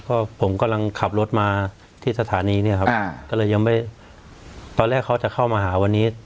ก็ผมกำลังขับรถมาที่สถานีเนี่ยครับก็เลยยังไม่ตอนแรกเขาจะเข้ามาหาวันนี้